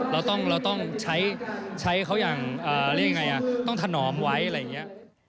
เราต้องใช้เขาอย่างเรียกยังไงต้องถนอมไว้อะไรอย่างนี้